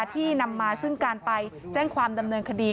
ที่นำมาซึ่งการไปแจ้งความดำเนินคดี